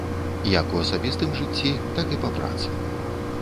Як у асабістым жыцці, так і па працы.